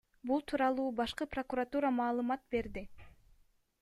Бул тууралуу башкы прокуратура маалымат берди.